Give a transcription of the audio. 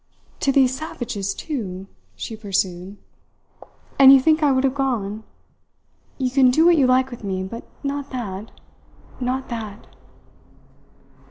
"To these savages, too!" she pursued. "And you think I would have gone? You can do what you like with me but not that, not that!"